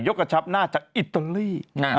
กระชับหน้าจากอิตาลี